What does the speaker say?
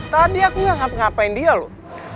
tadi aku ngapain dia loh